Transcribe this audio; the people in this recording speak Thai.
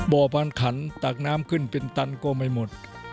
บ่อบานขันตักน้ำขึ้นเป็นตันก็ไม่หมด